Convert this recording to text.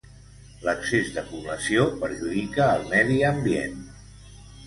L'excés de població perjudica el medi ambient.